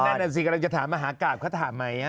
นั่นน่ะสิกำลังจะถามมหากราบเขาถามไหม